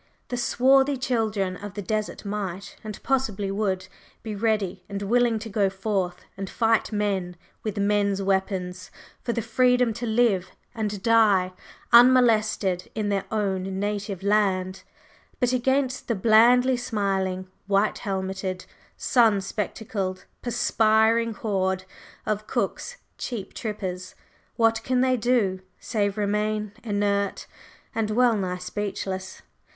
The swarthy children of the desert might, and possibly would, be ready and willing to go forth and fight men with men's weapons for the freedom to live and die unmolested in their own native land; but against the blandly smiling, white helmeted, sun spectacled, perspiring horde of Cook's "cheap trippers," what can they do save remain inert and well nigh speechless?